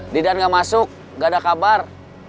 didan gak masuk gak ada kabar